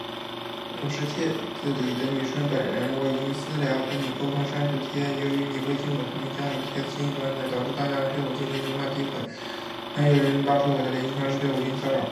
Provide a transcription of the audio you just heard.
我是帖子里的女生本人，我已经私聊跟你沟通删帖，由于你未经我同意将我的帖子进行转载，导致大量人对我进行辱骂诋毁，还有人扒出来我的联系方式对我进行骚扰